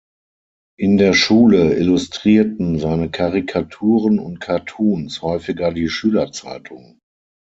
In der Schule illustrierten seine Karikaturen und Cartoons häufiger die Schülerzeitung.